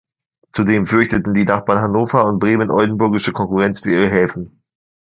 Zudem fürchteten die Nachbarn Hannover und Bremen oldenburgische Konkurrenz für ihre Häfen.